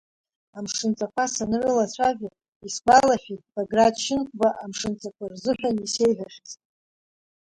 Амшынҵақәа санрылацәажәа, исгәалашәеит Баграт Шьынқәба амшынҵақәа рзыҳәан исеиҳәахьаз.